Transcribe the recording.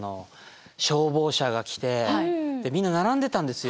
消防車が来てみんな並んでたんですよ。